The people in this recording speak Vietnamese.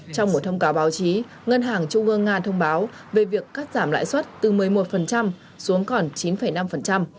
trong một thông cáo báo chí ngân hàng trung ương nga thông báo về việc cắt giảm lãi suất từ một mươi một xuống còn chín năm